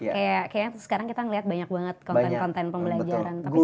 kayak kayaknya sekarang kita ngeliat banyak banget konten konten pembelajaran